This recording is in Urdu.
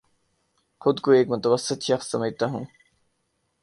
خود کو ایک متوسط شخص سمجھتا ہوں